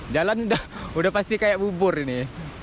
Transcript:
jalan udah pasti kayak bubur ini